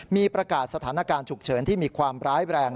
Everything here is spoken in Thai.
มีประกาศสถานการณ์ฉุกเฉินที่มีความร้ายแรง